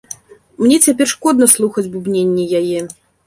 Мне цяпер шкодна слухаць бубненне яе.